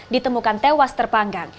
ditemukan tewas terpanggang